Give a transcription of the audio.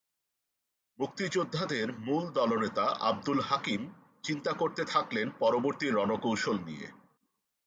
মুক্তিযোদ্ধাদের মূল দলনেতা আবদুল হাকিম চিন্তা করতে থাকলেন পরবর্তী রণকৌশল নিয়ে।